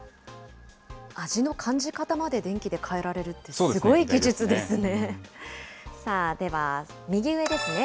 味の感じ方まで電気で変えられるってすごい技術ですね。